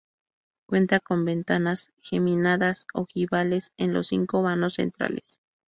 Cuenta con ventanas geminadas ojivales en los cinco vanos centrales.